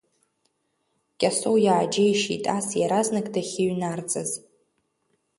Кьасоу иааџьеишьеит ас иаразнак дахьыҩнарҵаз.